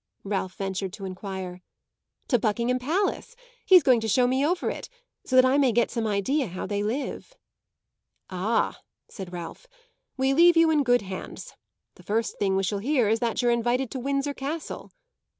Ralph ventured to enquire. "To Buckingham Palace. He's going to show me over it, so that I may get some idea how they live." "Ah," said Ralph, "we leave you in good hands. The first thing we shall hear is that you're invited to Windsor Castle."